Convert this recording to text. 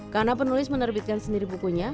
karena penulis menerbitkan sendiri bukunya